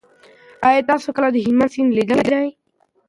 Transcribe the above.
آیا تاسو کله د هلمند سیند لیدلی دی؟